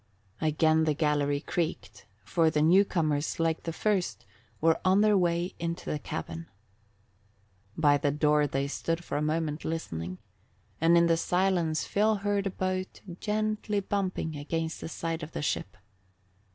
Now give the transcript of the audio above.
Again the gallery creaked, for the newcomers, like the first, were on their way into the cabin. By the door they stood for a moment listening, and in the silence Phil heard a boat gently bumping against the side of the ship.